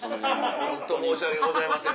ホント申し訳ございません。